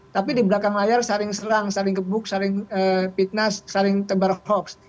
tapi di belakang layar saling serang saling gebuk saling fitnah saling tebar hoax